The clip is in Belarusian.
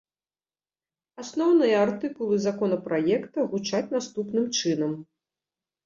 Асноўныя артыкулы законапраекта гучаць наступным чынам.